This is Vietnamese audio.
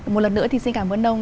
một lần nữa thì xin cảm ơn ông